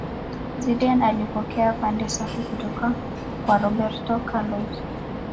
zidane alipokea pande safi kutoka kwa roberto carlos